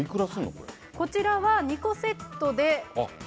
こちらは２個セットで。